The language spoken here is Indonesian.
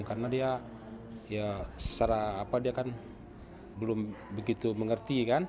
karena dia ya secara apa dia kan belum begitu mengerti kan